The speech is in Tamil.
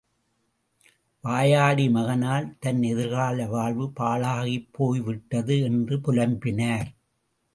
வாயாடி மகனால் தன் எதிர்கால வாழ்வு பாழாகிப்போய்விட்டது என்று புலம்பினார்.